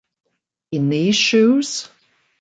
In These Shoes?